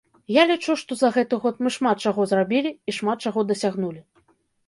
Я лічу, што за гэты год мы шмат чаго зрабілі і шмат чаго дасягнулі.